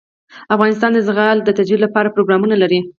افغانستان د زغال د ترویج لپاره پروګرامونه لري.